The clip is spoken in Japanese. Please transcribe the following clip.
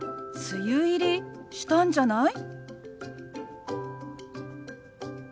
梅雨入りしたんじゃない？